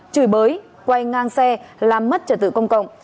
chửi bới quay ngang xe làm mất trật tự công cộng